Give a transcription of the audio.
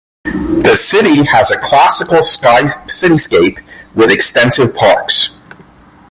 The city has a classical cityscape with extensive parks.